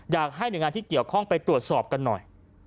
อยากให้หน่วยงานที่เกี่ยวข้องไปตรวจสอบกันหน่อย